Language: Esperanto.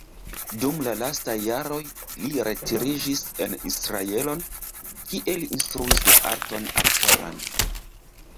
Dum la lastaj jaroj li retiriĝis en Israelon, kie li instruis la arton aktoran.